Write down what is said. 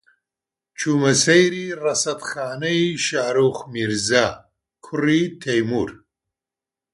چوومە سەیری ڕەسەدخانەی شاروخ میرزا، کوڕی تەیموور